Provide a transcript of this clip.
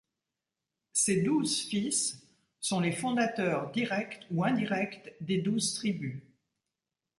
Ces douze fils sont les fondateurs directs ou indirects des douze tribus.